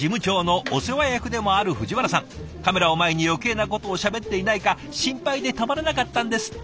カメラを前に余計なことをしゃべっていないか心配でたまらなかったんですって。